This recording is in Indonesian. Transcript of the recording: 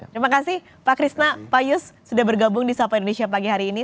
terima kasih pak krisna payus sudah bergabung di sapa indonesia pagi hari ini